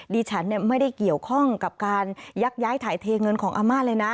ดิฉันไม่ได้เกี่ยวข้องกับการยักย้ายถ่ายเทเงินของอาม่าเลยนะ